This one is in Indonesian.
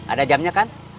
ada jamnya kan